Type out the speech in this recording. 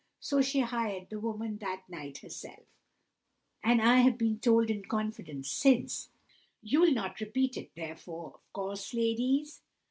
So she hired the woman that night herself, and I have been told in confidence since—you'll not repeat it, therefore, of course, ladies?"